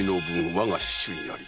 我が手中にあり」